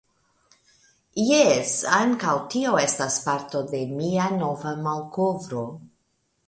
Jes, ankaŭ tio estas parto de mia nova malkovro.